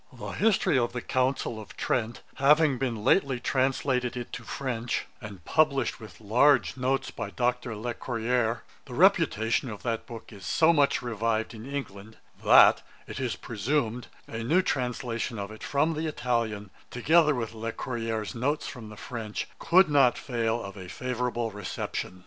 'The History of the Council of Trent having been lately translated into French, and published with large Notes by Dr. Le Courayer, the reputation of that book is so much revived in England, that, it is presumed, a new translation of it from the Italian, together with Le Courayer's Notes from the French, could not fail of a favourable reception.